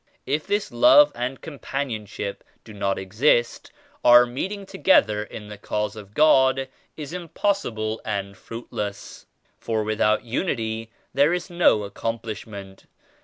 If this love and companionship do not exist, our meeting together in the Cause of God is impossible and fruitless, for without Unity there is no accomplishment.